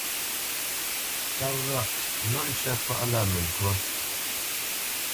Páp ghâʼ: náʼ ncə́ pâʼlâ mə ntwâ.